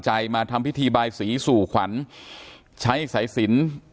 การแก้เคล็ดบางอย่างแค่นั้นเอง